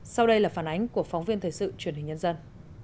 sau đây là phản ánh của phóng viên thời sự truyền hình nhân dân